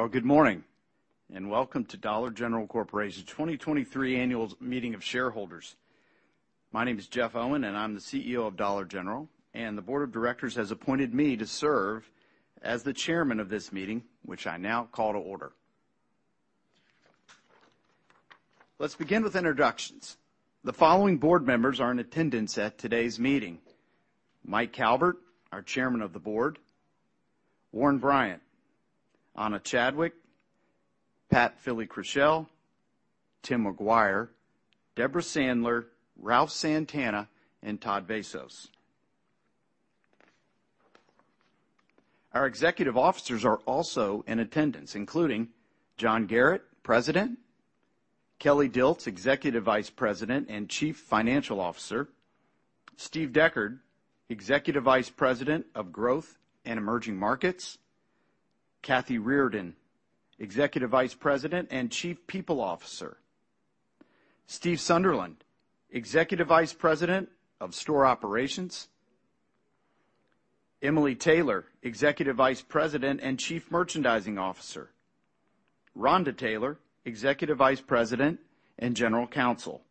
Well, good morning, and welcome to Dollar General Corporation's 2023 Annual Meeting of Shareholders. My name is Jeff Owen, and I'm the CEO of Dollar General, and the board of directors has appointed me to serve as the chairman of this meeting, which I now call to order. Let's begin with introductions. The following board members are in attendance at today's meeting: Mike Calbert, our Chairman of the Board, Warren Bryant, Ana Chadwick, Pat Fili-Krushel, Tim McGuire, Debra Sandler, Ralph Santana, and Todd Vasos. Our executive officers are also in attendance, including John Garratt, President, Kelly Dilts, Executive Vice President and Chief Financial Officer, Steve Deckard, Executive Vice President of Growth and Emerging Markets, Kathy Reardon, Executive Vice President and Chief People Officer, Steve Sunderland, Executive Vice President of Store Operations, Emily Taylor, Executive Vice President and Chief Merchandising Officer, Rhonda Taylor, Executive Vice President and General Counsel,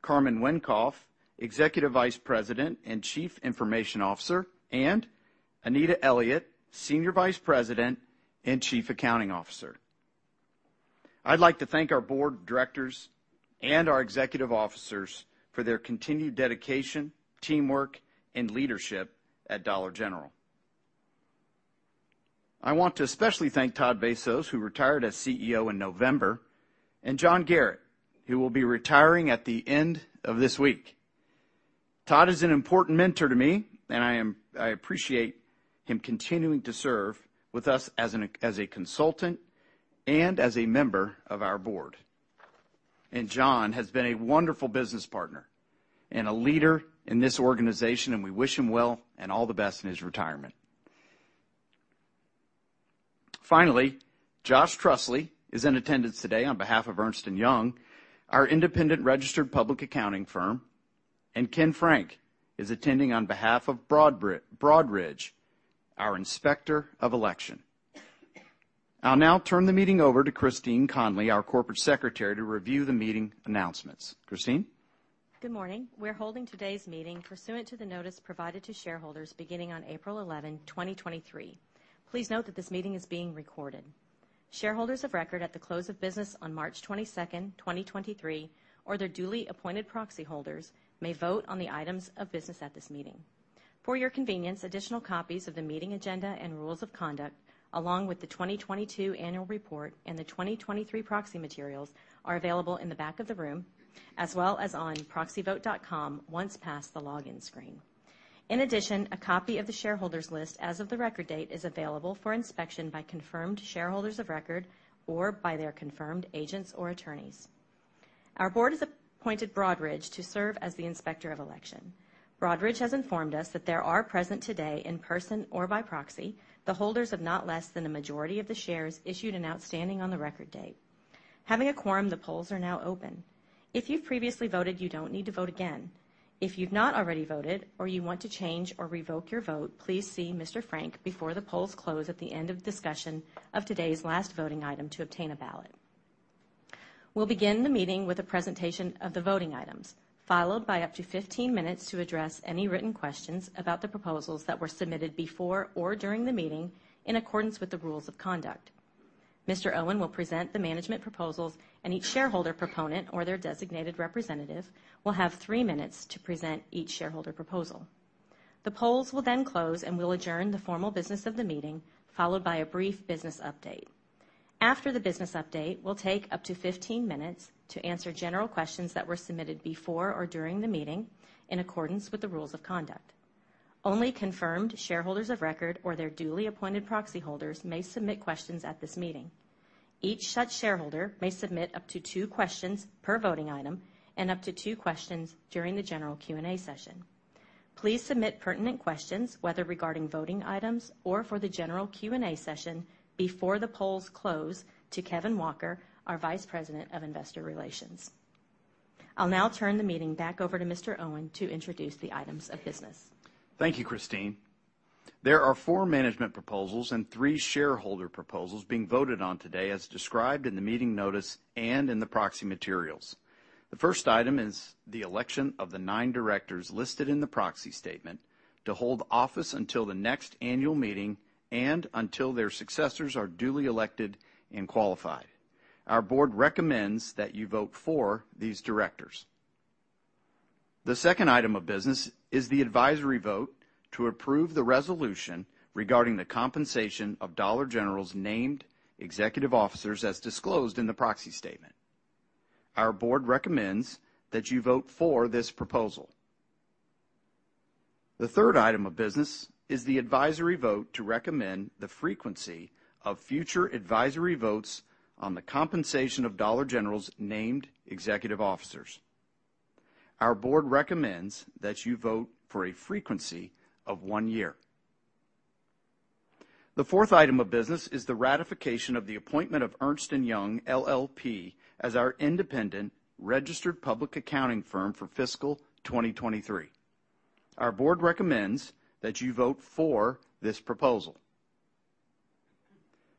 Carman Wenkoff, Executive Vice President and Chief Information Officer, and Anita Elliott, Senior Vice President and Chief Accounting Officer. I'd like to thank our board of directors and our executive officers for their continued dedication, teamwork, and leadership at Dollar General. I want to especially thank Todd Vasos, who retired as CEO in November, and John Garratt, who will be retiring at the end of this week. Todd is an important mentor to me. I appreciate him continuing to serve with us as a consultant and as a member of our board. John has been a wonderful business partner and a leader in this organization, and we wish him well and all the best in his retirement. Finally, Josh Trusley is in attendance today on behalf of Ernst & Young, our independent registered public accounting firm, and Ken Frank is attending on behalf of Broadridge, our Inspector of Election. I'll now turn the meeting over to Christine Connolly, our corporate secretary, to review the meeting announcements. Christine? Good morning. We're holding today's meeting pursuant to the notice provided to shareholders beginning on April 11, 2023. Please note that this meeting is being recorded. Shareholders of record at the close of business on March 22, 2023, or their duly appointed proxy holders, may vote on the items of business at this meeting. For your convenience, additional copies of the meeting agenda and rules of conduct, along with the 2022 annual report and the 2023 proxy materials, are available in the back of the room, as well as on proxyvote.com, once past the login screen. In addition, a copy of the shareholders list as of the record date is available for inspection by confirmed shareholders of record or by their confirmed agents or attorneys. Our board has appointed Broadridge to serve as the Inspector of Election. Broadridge has informed us that there are present today, in person or by proxy, the holders of not less than a majority of the shares issued and outstanding on the record date. Having a quorum, the polls are now open. If you've previously voted, you don't need to vote again. If you've not already voted, or you want to change or revoke your vote, please see Mr. Frank before the polls close at the end of discussion of today's last voting item to obtain a ballot. We'll begin the meeting with a presentation of the voting items, followed by up to 15 minutes to address any written questions about the proposals that were submitted before or during the meeting in accordance with the rules of conduct. Mr. Owen will present the management proposals. Each shareholder proponent or their designated representative will have three minutes to present each shareholder proposal. The polls will then close, and we'll adjourn the formal business of the meeting, followed by a brief business update. After the business update, we'll take up to 15 minutes to answer general questions that were submitted before or during the meeting in accordance with the rules of conduct. Only confirmed shareholders of record or their duly appointed proxy holders may submit questions at this meeting. Each such shareholder may submit up to 2 questions per voting item and up to 2 questions during the general Q&A session. Please submit pertinent questions, whether regarding voting items or for the general Q&A session, before the polls close, to Kevin Walker, our Vice President of Investor Relations. I'll now turn the meeting back over to Mr. Owen to introduce the items of business. Thank you, Christine. There are 4 management proposals and 3 shareholder proposals being voted on today, as described in the meeting notice and in the proxy materials. The first item is the election of the 9 directors listed in the proxy statement to hold office until the next annual meeting and until their successors are duly elected and qualified. Our board recommends that you vote for these directors. The second item of business is the advisory vote to approve the resolution regarding the compensation of Dollar General's named executive officers, as disclosed in the proxy statement. Our board recommends that you vote for this proposal. The third item of business is the advisory vote to recommend the frequency of future advisory votes on the compensation of Dollar General's named executive officers. Our board recommends that you vote for a frequency of 1 year. The fourth item of business is the ratification of the appointment of Ernst & Young LLP, as our independent registered public accounting firm for fiscal 2023. Our board recommends that you vote for this proposal.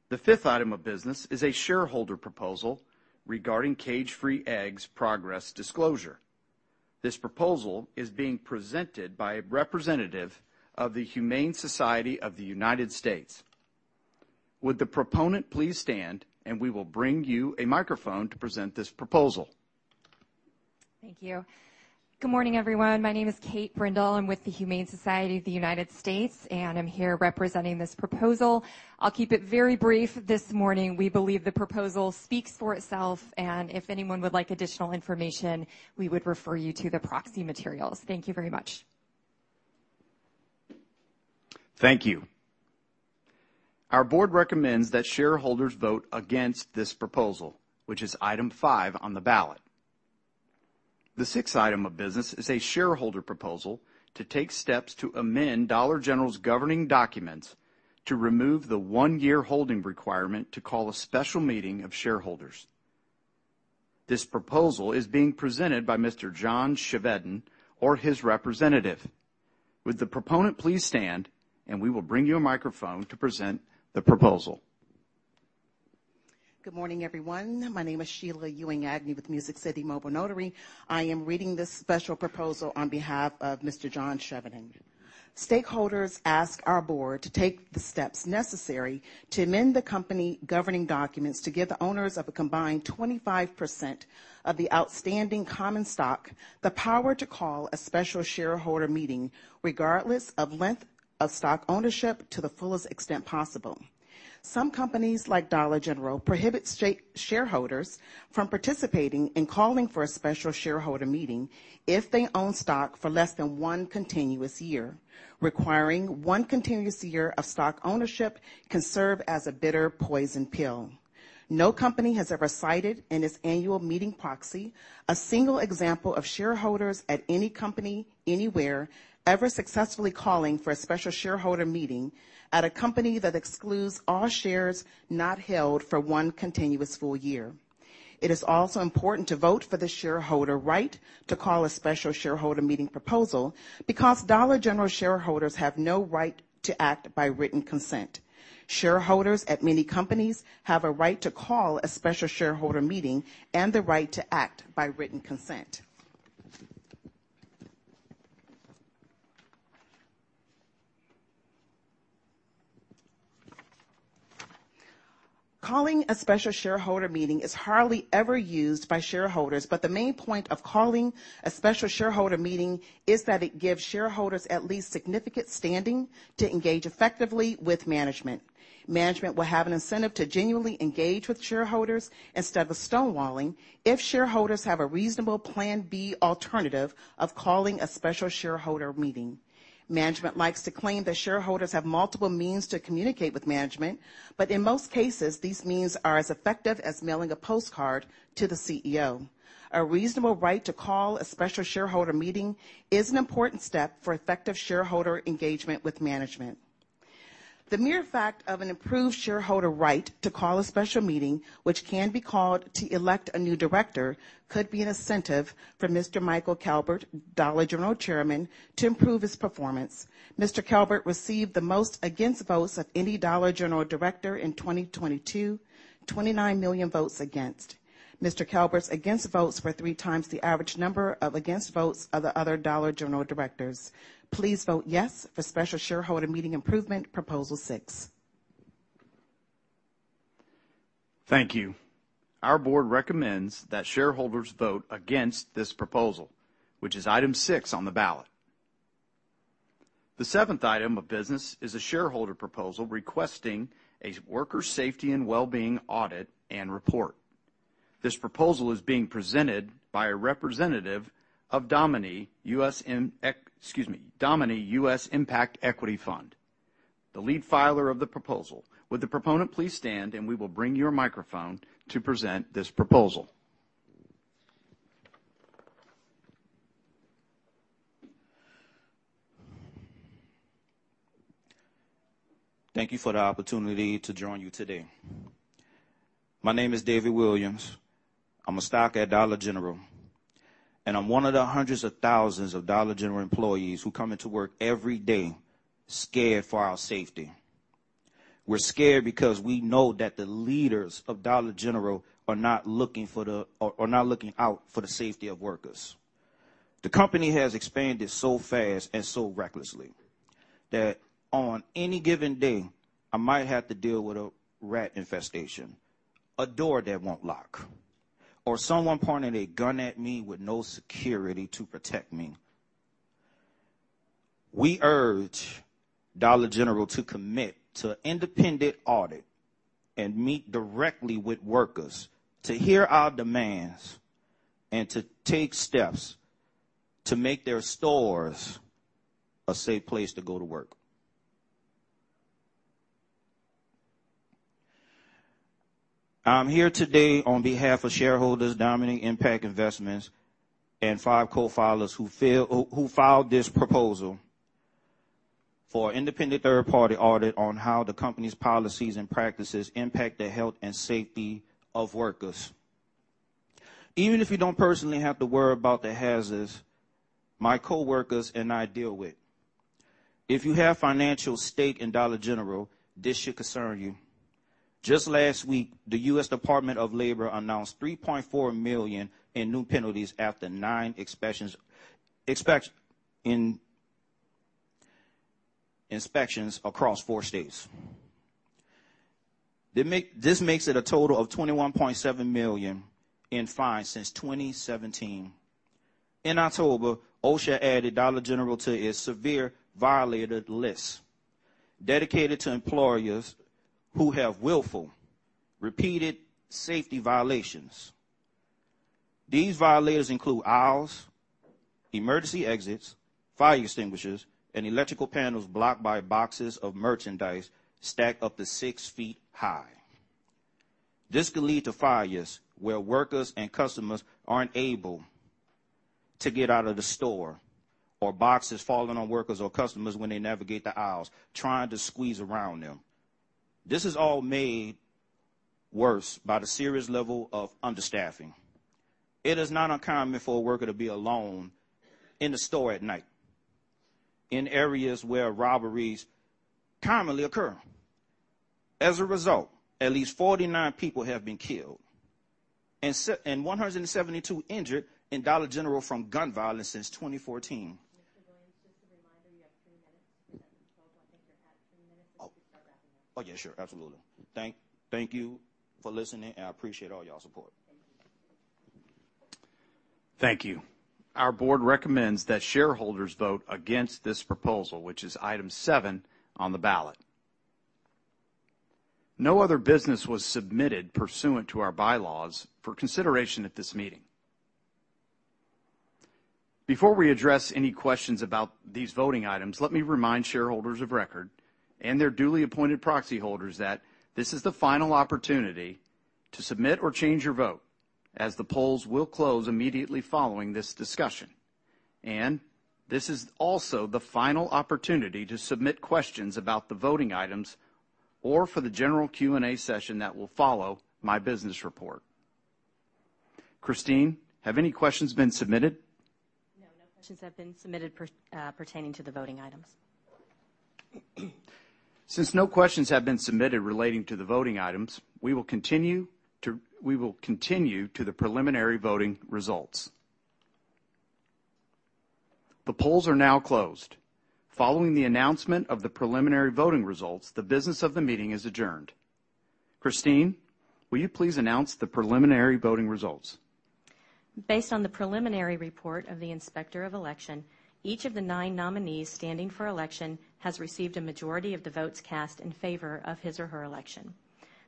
The fifth item of business is a shareholder proposal regarding cage-free eggs progress disclosure. This proposal is being presented by a representative of The Humane Society of the United States. Would the proponent please stand, and we will bring you a microphone to present this proposal? Thank you. Good morning, everyone. My name is Kate Brindle. I'm with The Humane Society of the United States, and I'm here representing this proposal. I'll keep it very brief this morning. We believe the proposal speaks for itself, and if anyone would like additional information, we would refer you to the proxy materials. Thank you very much. Thank you. Our board recommends that shareholders vote against this proposal, which is item 5 on the ballot. The sixth item of business is a shareholder proposal to take steps to amend Dollar General's governing documents to remove the 1-year holding requirement to call a special meeting of shareholders. This proposal is being presented by Mr. John Chevedden or his representative. Would the proponent please stand, and we will bring you a microphone to present the proposal? Good morning, everyone. My name is Sheila Ewing Agni with Music City Mobile Notary. I am reading this special proposal on behalf of Mr. John Chevedden. Stakeholders ask our board to take the steps necessary to amend the company governing documents to give the owners of a combined 25% of the outstanding common stock, the power to call a special shareholder meeting, regardless of length of stock ownership to the fullest extent possible. Some companies, like Dollar General, prohibit shareholders from participating in calling for a special shareholder meeting if they own stock for less than one continuous year. Requiring one continuous year of stock ownership can serve as a bitter poison pill. No company has ever cited in its annual meeting proxy, a single example of shareholders at any company, anywhere, ever successfully calling for a special shareholder meeting at a company that excludes all shares not held for one continuous full year. It is also important to vote for the shareholder right to call a special shareholder meeting proposal, because Dollar General shareholders have no right to act by written consent. Shareholders at many companies have a right to call a special shareholder meeting and the right to act by written consent. Calling a special shareholder meeting is hardly ever used by shareholders, but the main point of calling a special shareholder meeting is that it gives shareholders at least significant standing to engage effectively with management. Management will have an incentive to genuinely engage with shareholders instead of stonewalling, if shareholders have a reasonable plan B alternative of calling a special shareholder meeting. In most cases, these means are as effective as mailing a postcard to the CEO. A reasonable right to call a special shareholder meeting is an important step for effective shareholder engagement with management. The mere fact of an improved shareholder right to call a special meeting, which can be called to elect a new director, could be an incentive for Mr. Michael Calbert, Dollar General Chairman, to improve his performance. Mr. Calbert received the most against votes of any Dollar General director in 2022, 29 million votes against. Mr. Calbert's against votes were three times the average number of against votes of the other Dollar General directors. Please vote yes for special shareholder meeting improvement, proposal six. Thank you. Our board recommends that shareholders vote against this proposal, which is item six on the ballot. The seventh item of business is a shareholder proposal requesting a worker safety and well-being audit and report. This proposal is being presented by a representative of Domini, excuse me, Domini US Impact Equity Fund, the lead filer of the proposal. Would the proponent please stand, and we will bring your microphone to present this proposal. Thank you for the opportunity to join you today. My name is David Williams. I'm a stock at Dollar General, and I'm one of the hundreds of thousands of Dollar General employees who come into work every day scared for our safety. We're scared because we know that the leaders of Dollar General are not looking out for the safety of workers. The company has expanded so fast and so recklessly, that on any given day, I might have to deal with a rat infestation, a door that won't lock, or someone pointing a gun at me with no security to protect me. We urge Dollar General to commit to an independent audit and meet directly with workers to hear our demands and to take steps to make their stores a safe place to go to work. I'm here today on behalf of shareholders, Domini Impact Investments, and five co-filers who filed this proposal. for an independent third-party audit on how the company's policies and practices impact the health and safety of workers. Even if you don't personally have to worry about the hazards my coworkers and I deal with, if you have financial stake in Dollar General, this should concern you. Just last week, the US Department of Labor announced $3.4 million in new penalties after nine inspections across four states. This makes it a total of $21.7 million in fines since 2017. In October, OSHA added Dollar General to its Severe Violator List, dedicated to employers who have willful, repeated safety violations. These violators include aisles, emergency exits, fire extinguishers, and electrical panels blocked by boxes of merchandise stacked up to 6 feet high. This could lead to fires where workers and customers aren't able to get out of the store, or boxes falling on workers or customers when they navigate the aisles, trying to squeeze around them. This is all made worse by the serious level of understaffing. It is not uncommon for a worker to be alone in the store at night, in areas where robberies commonly occur. As a result, at least 49 people have been killed and 172 injured in Dollar General from gun violence since 2014. Mr. Williams, just a reminder, you have three minutes. I think you're at three minutes, so if you start wrapping up. Oh, yeah, sure. Absolutely. Thank you for listening, and I appreciate all y'all support. Thank you. Thank you. Our board recommends that shareholders vote against this proposal, which is item 7 on the ballot. No other business was submitted pursuant to our bylaws for consideration at this meeting. Before we address any questions about these voting items, let me remind shareholders of record and their duly appointed proxy holders that this is the final opportunity to submit or change your vote, as the polls will close immediately following this discussion. This is also the final opportunity to submit questions about the voting items or for the general Q&A session that will follow my business report. Christine Connolly, have any questions been submitted? No, no questions have been submitted pertaining to the voting items. Since no questions have been submitted relating to the voting items, We will continue to the preliminary voting results. The polls are now closed. Following the announcement of the preliminary voting results, the business of the meeting is adjourned. Christine, will you please announce the preliminary voting results? Based on the preliminary report of the Inspector of Election, each of the nine nominees standing for election has received a majority of the votes cast in favor of his or her election.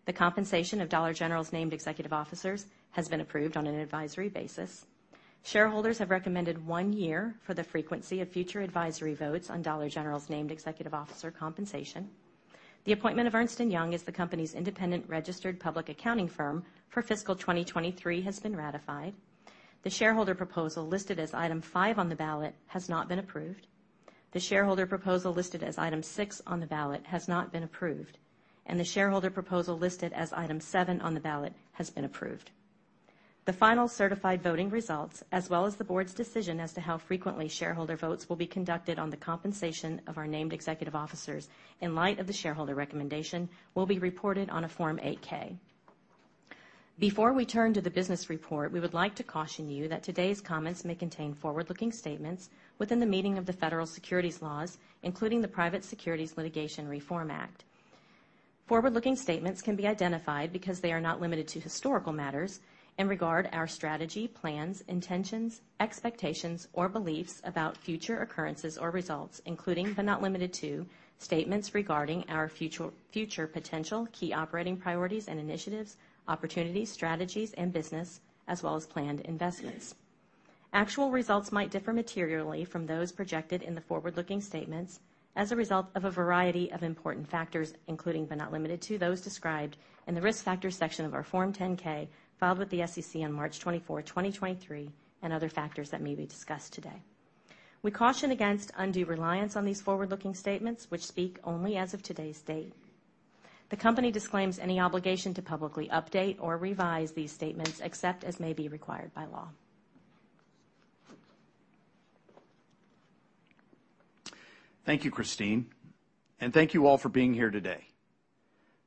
The compensation of Dollar General's named executive officers has been approved on an advisory basis. Shareholders have recommended one year for the frequency of future advisory votes on Dollar General's named executive officer compensation. The appointment of Ernst & Young as the company's independent registered public accounting firm for fiscal 2023 has been ratified. The shareholder proposal, listed as item five on the ballot, has not been approved. The shareholder proposal, listed as item six on the ballot, has not been approved. The shareholder proposal, listed as item seven on the ballot, has been approved. The final certified voting results, as well as the board's decision as to how frequently shareholder votes will be conducted on the compensation of our named executive officers in light of the shareholder recommendation, will be reported on a Form 8-K. Before we turn to the business report, we would like to caution you that today's comments may contain forward-looking statements within the meaning of the federal securities laws, including the Private Securities Litigation Reform Act. Forward-looking statements can be identified because they are not limited to historical matters and regard our strategy, plans, intentions, expectations, or beliefs about future occurrences or results, including but not limited to, statements regarding our future potential, key operating priorities and initiatives, opportunities, strategies, and business, as well as planned investments. Actual results might differ materially from those projected in the forward-looking statements as a result of a variety of important factors, including, but not limited to, those described in the Risk Factors section of our Form 10-K, filed with the SEC on March 24, 2023, and other factors that may be discussed today. We caution against undue reliance on these forward-looking statements, which speak only as of today's date. The company disclaims any obligation to publicly update or revise these statements, except as may be required by law. Thank you, Christine, and thank you all for being here today.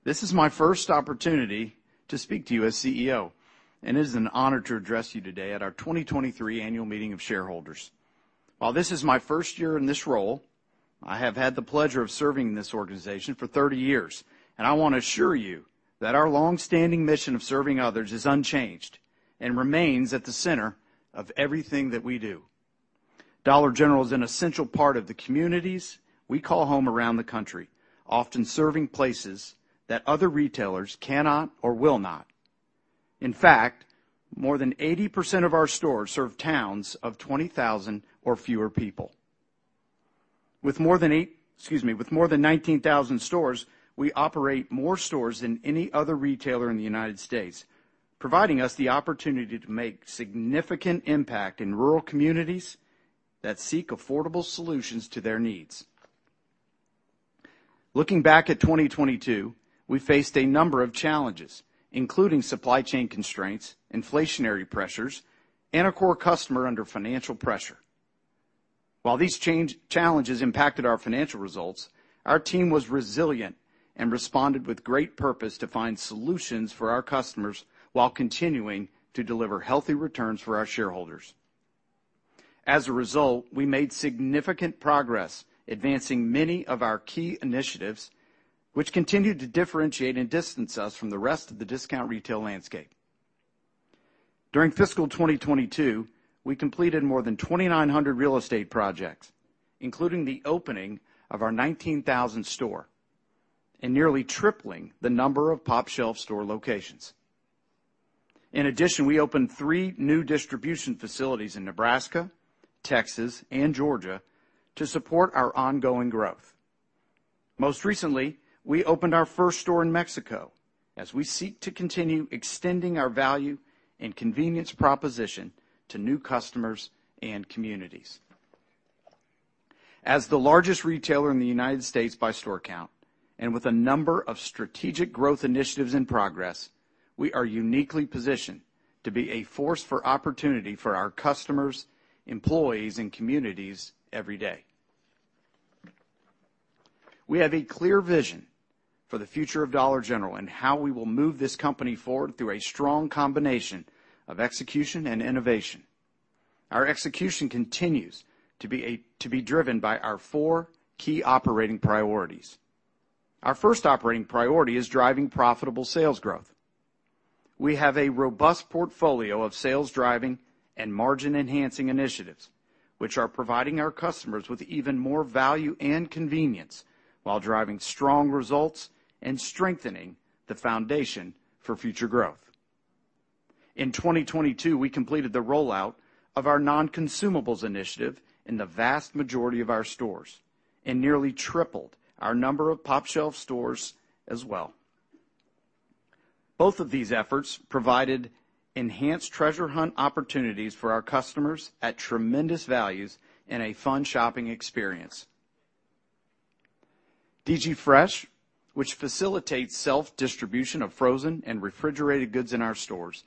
This is my first opportunity to speak to you as CEO, and it is an honor to address you today at our 2023 annual meeting of shareholders. While this is my first year in this role, I have had the pleasure of serving this organization for 30 years, and I want to assure you that our long-standing mission of serving others is unchanged and remains at the center of everything that we do. Dollar General is an essential part of the communities we call home around the country, often serving places that other retailers cannot or will not. In fact, more than 80% of our stores serve towns of 20,000 or fewer people. With more than 19,000 stores, we operate more stores than any other retailer in the United States.... providing us the opportunity to make significant impact in rural communities that seek affordable solutions to their needs. Looking back at 2022, we faced a number of challenges, including supply chain constraints, inflationary pressures, and a core customer under financial pressure. While these challenges impacted our financial results, our team was resilient and responded with great purpose to find solutions for our customers while continuing to deliver healthy returns for our shareholders. As a result, we made significant progress advancing many of our key initiatives, which continued to differentiate and distance us from the rest of the discount retail landscape. During fiscal 2022, we completed more than 2,900 real estate projects, including the opening of our 19,000th store, and nearly tripling the number of pOpshelf store locations. In addition, we opened 3 new distribution facilities in Nebraska, Texas, and Georgia to support our ongoing growth. Most recently, we opened our first store in Mexico, as we seek to continue extending our value and convenience proposition to new customers and communities. As the largest retailer in the United States by store count, and with a number of strategic growth initiatives in progress, we are uniquely positioned to be a force for opportunity for our customers, employees, and communities every day. We have a clear vision for the future of Dollar General and how we will move this company forward through a strong combination of execution and innovation. Our execution continues to be driven by our four key operating priorities. Our first operating priority is driving profitable sales growth. We have a robust portfolio of sales-driving and margin-enhancing initiatives, which are providing our customers with even more value and convenience, while driving strong results and strengthening the foundation for future growth. In 2022, we completed the rollout of our non-consumables initiative in the vast majority of our stores, and nearly tripled our number of pOpshelf stores as well. Both of these efforts provided enhanced treasure hunt opportunities for our customers at tremendous values and a fun shopping experience. DG Fresh, which facilitates self-distribution of frozen and refrigerated goods in our stores,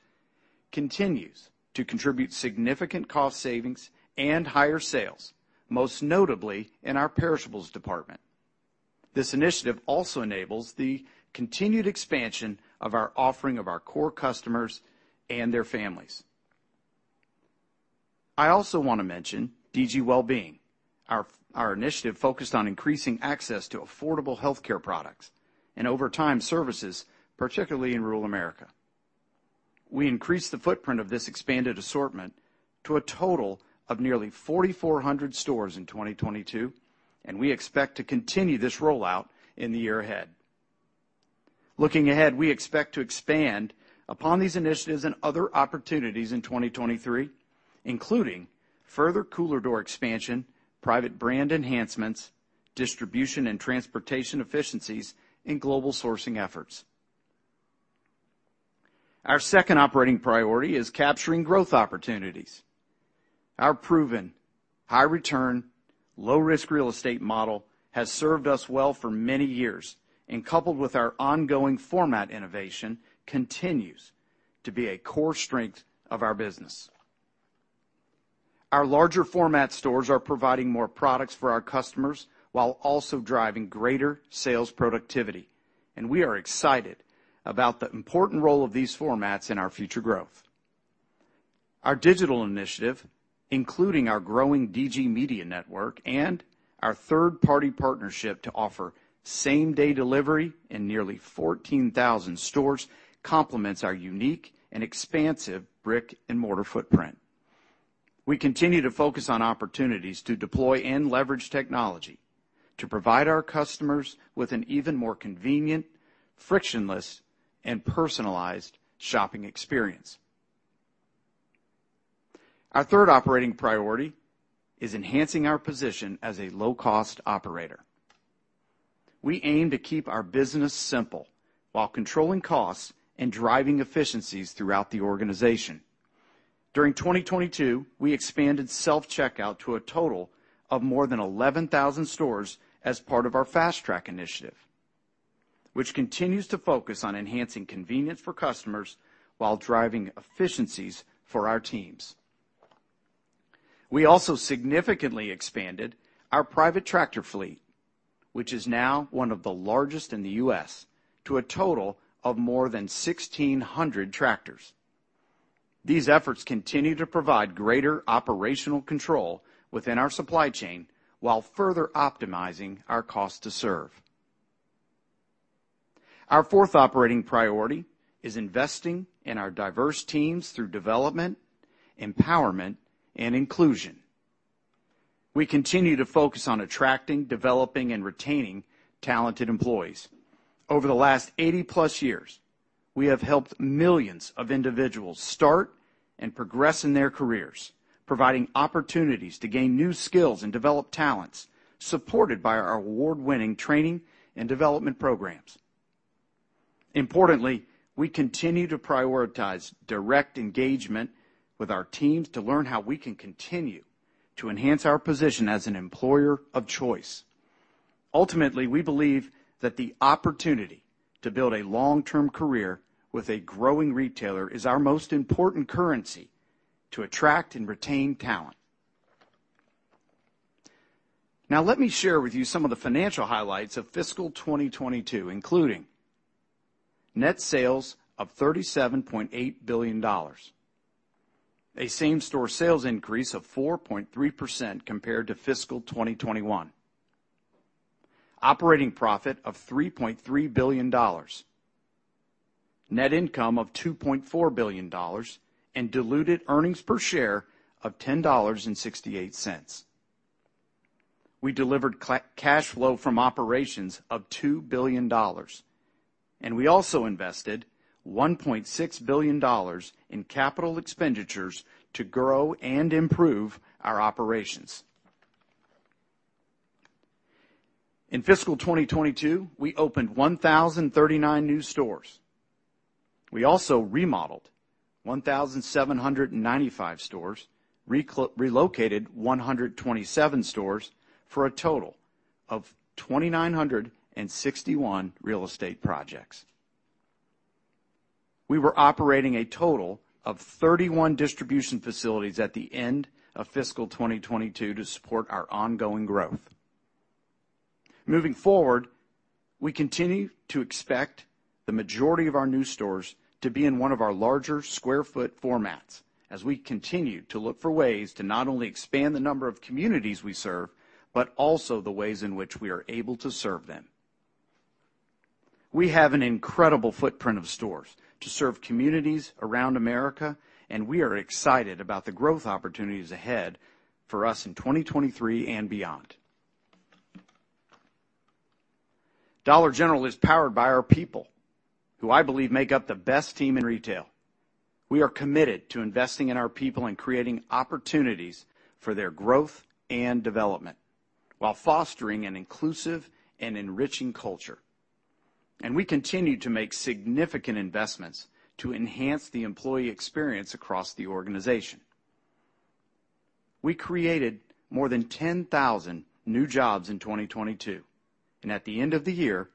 continues to contribute significant cost savings and higher sales, most notably in our perishables department. This initiative also enables the continued expansion of our offering of our core customers and their families. I also want to mention DG Wellbeing, our initiative focused on increasing access to affordable healthcare products and, over time, services, particularly in rural America. We increased the footprint of this expanded assortment to a total of nearly 4,400 stores in 2022, and we expect to continue this rollout in the year ahead. Looking ahead, we expect to expand upon these initiatives and other opportunities in 2023, including further cooler door expansion, private brand enhancements, distribution and transportation efficiencies, and global sourcing efforts. Our second operating priority is capturing growth opportunities. Our proven high return, low risk real estate model has served us well for many years, and coupled with our ongoing format innovation, continues to be a core strength of our business. Our larger format stores are providing more products for our customers while also driving greater sales productivity, and we are excited about the important role of these formats in our future growth. Our digital initiative, including our growing DG Media Network and our third-party partnership to offer same-day delivery in nearly 14,000 stores, complements our unique and expansive brick-and-mortar footprint. We continue to focus on opportunities to deploy and leverage technology, to provide our customers with an even more convenient, frictionless, and personalized shopping experience. Our third operating priority is enhancing our position as a low-cost operator. We aim to keep our business simple while controlling costs and driving efficiencies throughout the organization. During 2022, we expanded self-checkout to a total of more than 11,000 stores as part of our Fast Track initiative, which continues to focus on enhancing convenience for customers while driving efficiencies for our teams. We also significantly expanded our private tractor fleet, which is now one of the largest in the U.S., to a total of more than 1,600 tractors. These efforts continue to provide greater operational control within our supply chain, while further optimizing our cost to serve. Our fourth operating priority is investing in our diverse teams through development, empowerment, and inclusion. We continue to focus on attracting, developing, and retaining talented employees. Over the last 80-plus years, we have helped millions of individuals start, and progress in their careers, providing opportunities to gain new skills and develop talents, supported by our award-winning training and development programs. Importantly, we continue to prioritize direct engagement with our teams to learn how we can continue to enhance our position as an employer of choice. Ultimately, we believe that the opportunity to build a long-term career with a growing retailer is our most important currency to attract and retain talent. Let me share with you some of the financial highlights of fiscal 2022, including net sales of $37.8 billion, a same-store sales increase of 4.3% compared to fiscal 2021, operating profit of $3.3 billion, net income of $2.4 billion, and diluted earnings per share of $10.68. We delivered cash flow from operations of $2 billion. We also invested $1.6 billion in capital expenditures to grow and improve our operations. In fiscal 2022, we opened 1,039 new stores. We also remodeled 1,795 stores, relocated 127 stores, for a total of 2,961 real estate projects. We were operating a total of 31 distribution facilities at the end of fiscal 2022 to support our ongoing growth. Moving forward, we continue to expect the majority of our new stores to be in one of our larger square foot formats, as we continue to look for ways to not only expand the number of communities we serve, but also the ways in which we are able to serve them. We have an incredible footprint of stores to serve communities around America, and we are excited about the growth opportunities ahead for us in 2023 and beyond. Dollar General is powered by our people, who I believe make up the best team in retail. We are committed to investing in our people and creating opportunities for their growth and development while fostering an inclusive and enriching culture. We continue to make significant investments to enhance the employee experience across the organization. We created more than 10,000 new jobs in 2022. At the end of the year,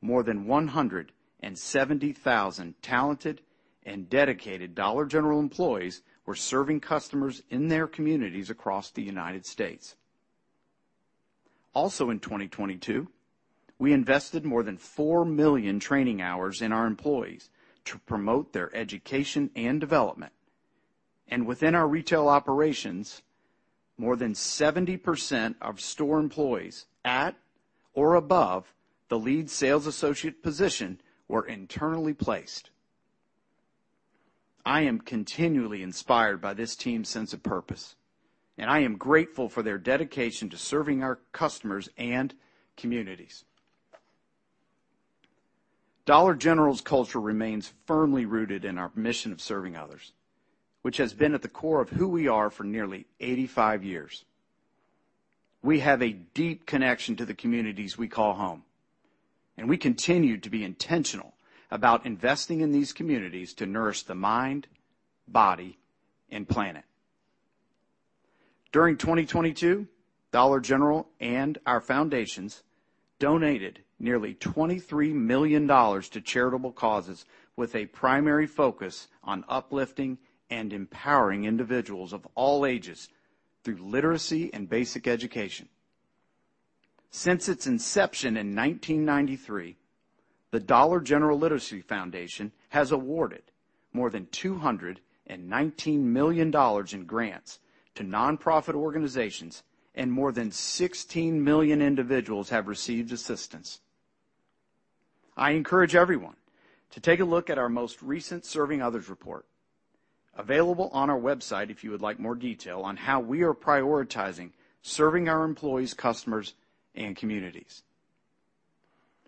more than 170,000 talented and dedicated Dollar General employees were serving customers in their communities across the United States. Also, in 2022, we invested more than 4 million training hours in our employees to promote their education and development. Within our retail operations, more than 70% of store employees at or above the lead sales associate position were internally placed. I am continually inspired by this team's sense of purpose, and I am grateful for their dedication to serving our customers and communities. Dollar General's culture remains firmly rooted in our mission of serving others, which has been at the core of who we are for nearly 85 years. We have a deep connection to the communities we call home, and we continue to be intentional about investing in these communities to nourish the mind, body, and planet. During 2022, Dollar General and our foundations donated nearly $23 million to charitable causes, with a primary focus on uplifting and empowering individuals of all ages through literacy and basic education. Since its inception in 1993, the Dollar General Literacy Foundation has awarded more than $219 million in grants to nonprofit organizations, and more than 16 million individuals have received assistance. I encourage everyone to take a look at our most recent Serving Others report, available on our website, if you would like more detail on how we are prioritizing serving our employees, customers, and communities.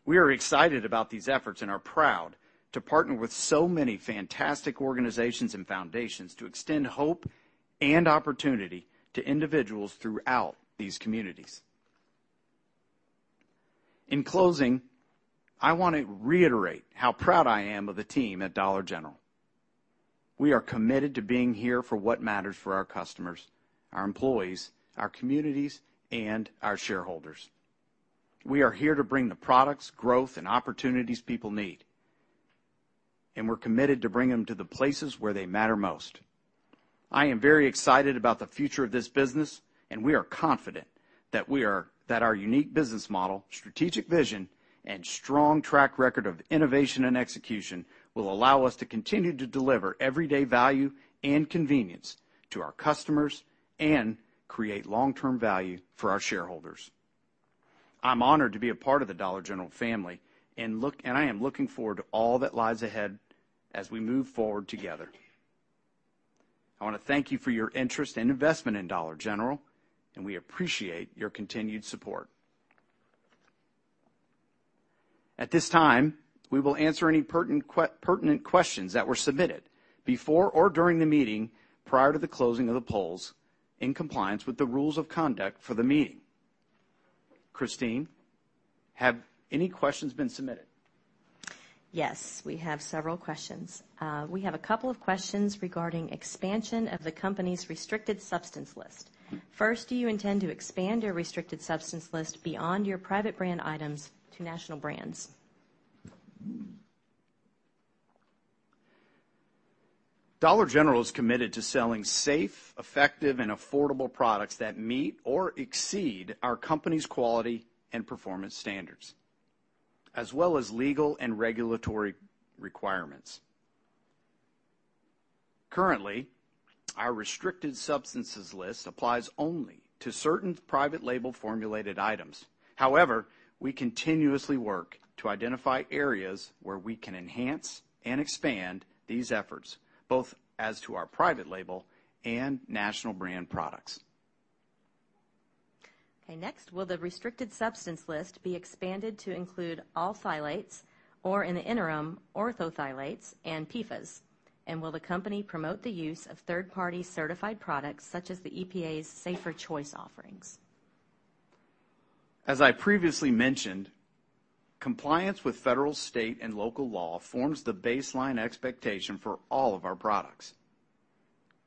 We are excited about these efforts and are proud to partner with so many fantastic organizations and foundations to extend hope and opportunity to individuals throughout these communities. In closing, I want to reiterate how proud I am of the team at Dollar General. We are committed to being here for what matters for our customers, our employees, our communities, and our shareholders. We are here to bring the products, growth, and opportunities people need, and we're committed to bringing them to the places where they matter most. I am very excited about the future of this business, and we are confident that our unique business model, strategic vision, and strong track record of innovation and execution will allow us to continue to deliver everyday value and convenience to our customers and create long-term value for our shareholders. I'm honored to be a part of the Dollar General family and I am looking forward to all that lies ahead as we move forward together. I want to thank you for your interest and investment in Dollar General, and we appreciate your continued support. At this time, we will answer any pertinent questions that were submitted before or during the meeting, prior to the closing of the polls, in compliance with the rules of conduct for the meeting. Christine, have any questions been submitted? Yes, we have several questions. We have a couple of questions regarding expansion of the company's restricted substance list. First, do you intend to expand your restricted substance list beyond your private brand items to national brands? Dollar General is committed to selling safe, effective, and affordable products that meet or exceed our company's quality and performance standards, as well as legal and regulatory requirements. Currently, our restricted substances list applies only to certain private label formulated items. However, we continuously work to identify areas where we can enhance and expand these efforts, both as to our private label and national brand products. Okay, next, will the restricted substance list be expanded to include all phthalates or, in the interim, ortho-phthalates and PFAS? Will the company promote the use of third-party certified products such as the EPA's Safer Choice offerings? As I previously mentioned, compliance with federal, state, and local law forms the baseline expectation for all of our products.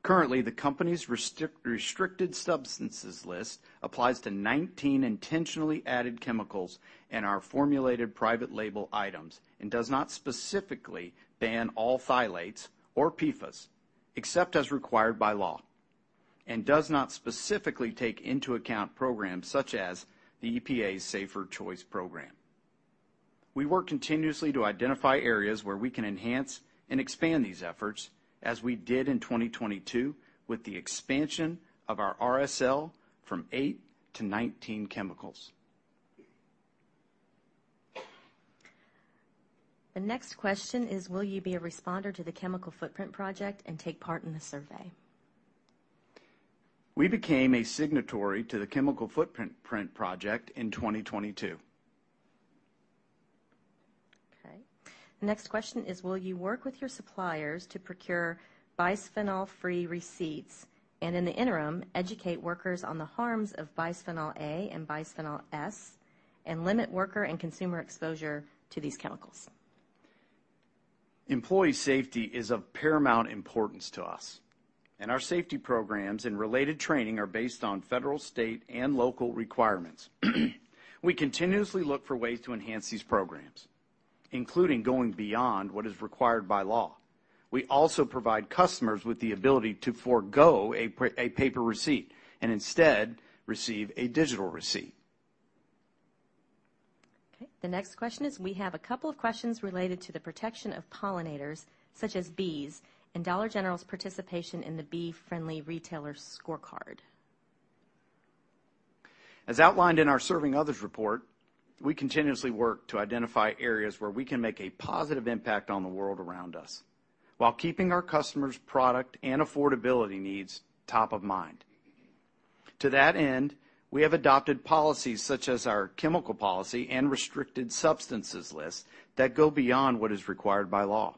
Currently, the company's restricted substances list applies to 19 intentionally added chemicals in our formulated private label items, and does not specifically ban all phthalates or PFAS, except as required by law, and does not specifically take into account programs such as the EPA's Safer Choice program. We work continuously to identify areas where we can enhance and expand these efforts, as we did in 2022, with the expansion of our RSL from 8 to 19 chemicals. The next question is, will you be a responder to the Chemical Footprint Project and take part in the survey? We became a signatory to the Chemical Footprint Project in 2022. Okay. The next question is, will you work with your suppliers to procure bisphenol-free receipts, and in the interim, educate workers on the harms of bisphenol A and bisphenol S, and limit worker and consumer exposure to these chemicals? Employee safety is of paramount importance to us, and our safety programs and related training are based on federal, state, and local requirements. We continuously look for ways to enhance these programs, including going beyond what is required by law. We also provide customers with the ability to forgo a paper receipt and instead receive a digital receipt. The next question is, we have a couple of questions related to the protection of pollinators, such as bees, and Dollar General's participation in the Bee-Friendly Retailer Scorecard. As outlined in our Serving Others report, we continuously work to identify areas where we can make a positive impact on the world around us, while keeping our customers' product and affordability needs top of mind. To that end, we have adopted policies such as our chemical policy and restricted substances list, that go beyond what is required by law.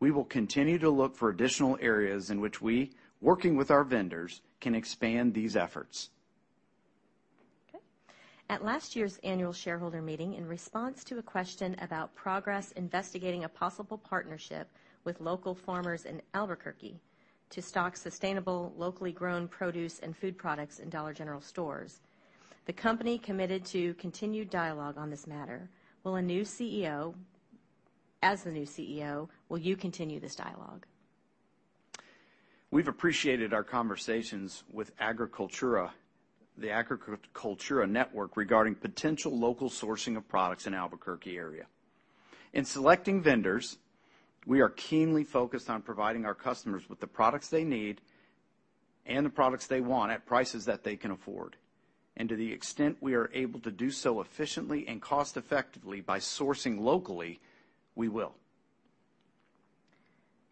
We will continue to look for additional areas in which we, working with our vendors, can expand these efforts. Okay. At last year's annual shareholder meeting, in response to a question about progress investigating a possible partnership with local farmers in Albuquerque to stock sustainable, locally grown produce and food products in Dollar General stores, the company committed to continued dialogue on this matter. As the new CEO, will you continue this dialogue? We've appreciated our conversations with Agri-Cultura, the Agri-Cultura Network, regarding potential local sourcing of products in Albuquerque area. In selecting vendors, we are keenly focused on providing our customers with the products they need and the products they want at prices that they can afford. To the extent we are able to do so efficiently and cost-effectively by sourcing locally, we will.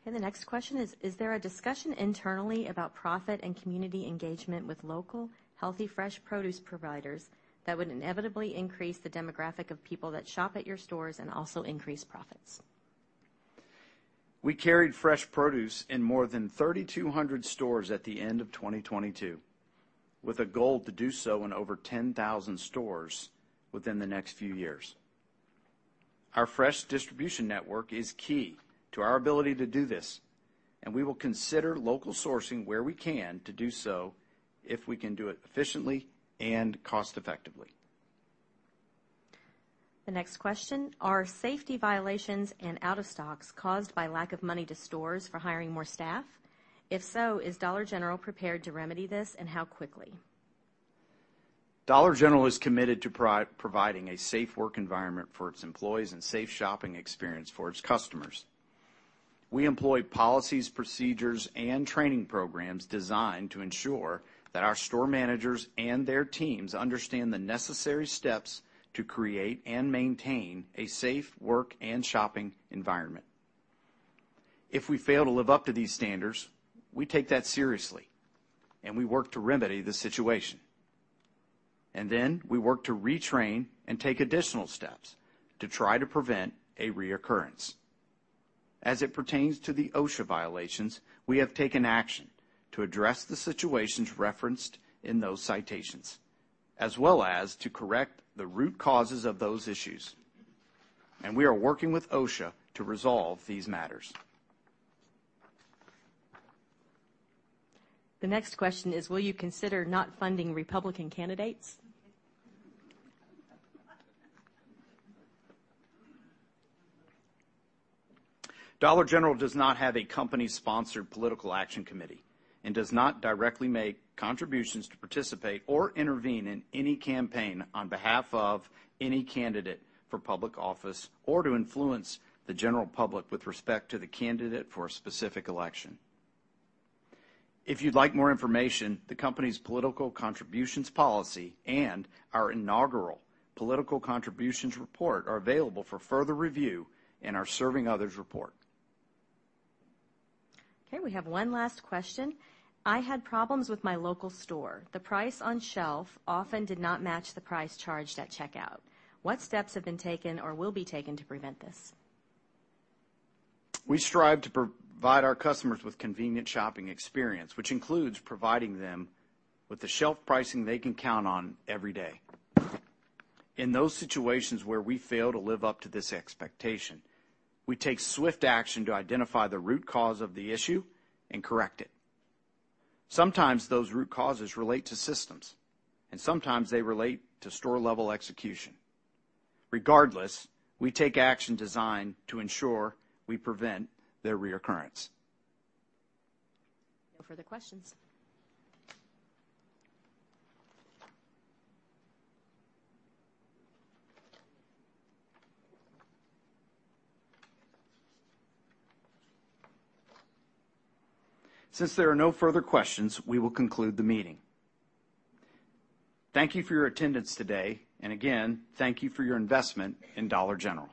Okay, the next question is: Is there a discussion internally about profit and community engagement with local, healthy, fresh produce providers that would inevitably increase the demographic of people that shop at your stores and also increase profits? We carried fresh produce in more than 3,200 stores at the end of 2022, with a goal to do so in over 10,000 stores within the next few years. Our fresh distribution network is key to our ability to do this, and we will consider local sourcing where we can to do so, if we can do it efficiently and cost effectively. The next question: Are safety violations and out-of-stocks caused by lack of money to stores for hiring more staff? Is Dollar General prepared to remedy this, and how quickly? Dollar General is committed to providing a safe work environment for its employees and safe shopping experience for its customers. We employ policies, procedures, and training programs designed to ensure that our store managers and their teams understand the necessary steps to create and maintain a safe work and shopping environment. If we fail to live up to these standards, we take that seriously, and we work to remedy the situation. We work to retrain and take additional steps to try to prevent a reoccurrence. As it pertains to the OSHA violations, we have taken action to address the situations referenced in those citations, as well as to correct the root causes of those issues, and we are working with OSHA to resolve these matters. The next question is: will you consider not funding Republican candidates? Dollar General does not have a company-sponsored political action committee, and does not directly make contributions to participate or intervene in any campaign on behalf of any candidate for public office, or to influence the general public with respect to the candidate for a specific election. If you'd like more information, the company's political contributions policy and our inaugural political contributions report are available for further review in our Serving Others report. Okay, we have one last question: I had problems with my local store. The price on shelf often did not match the price charged at checkout. What steps have been taken or will be taken to prevent this? We strive to provide our customers with convenient shopping experience, which includes providing them with the shelf pricing they can count on every day. In those situations where we fail to live up to this expectation, we take swift action to identify the root cause of the issue and correct it. Sometimes those root causes relate to systems, and sometimes they relate to store-level execution. Regardless, we take action designed to ensure we prevent their reoccurrence. No further questions. Since there are no further questions, we will conclude the meeting. Thank you for your attendance today. Again, thank you for your investment in Dollar General.